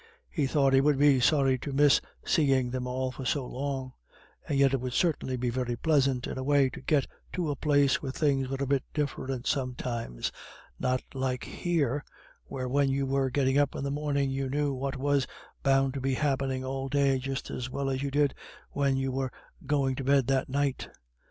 He thought he would be sorry to miss seeing them all for so long; and yet it would certainly be very pleasant, in a way, to get to a place where things were a bit different sometimes, not like here where when you were getting up in the morning you knew what was bound to be happening all day just as well as you did when you were going to bed that night.